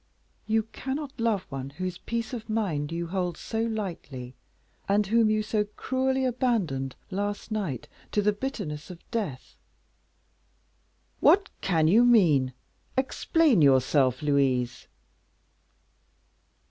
"You cannot love one whose peace of mind you hold so lightly, and whom you so cruelly abandoned, last night, to the bitterness of death." "What can you mean? Explain yourself, Louise."